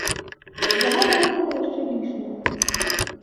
Яна была яму яшчэ лішняя.